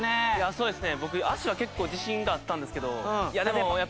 そうですね。